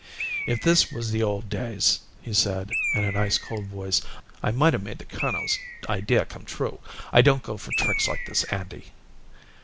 "If this was the old days," he said in an ice cold voice, "I might of made the colonel's idea come true. I don't go for tricks like this, Andy."